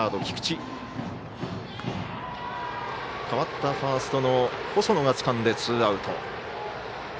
代わったファーストの細野がつかんでツーアウト。